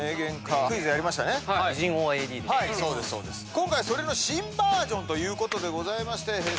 今回それの新バージョンということでございましてＨｅｙ！